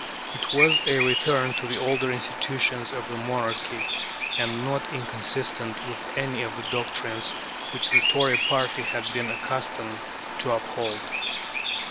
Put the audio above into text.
It was a return to the older institutions of the monarchy, and not inconsistent with any of the doctrines which the Tory party had been accustomed to uphold.